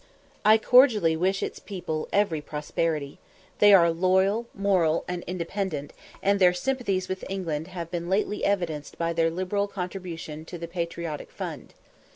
I cordially wish its people every prosperity. They are loyal, moral, and independent, and their sympathies with England have lately been evidenced by their liberal contributions to the Patriotic Fund.